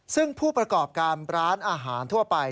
ซึ่งผู้ประกอบการร้านอาหารทั่วไป